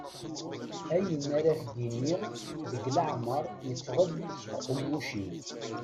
Ayen ara ak-d-iniɣ deg leɛmer yeffeɣ-d seg uqemmuc-iw.